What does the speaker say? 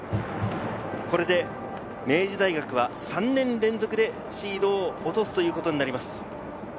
明治大学は３年連続でシードを落とすことになります。